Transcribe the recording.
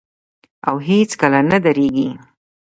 او هیڅکله نه دریږي.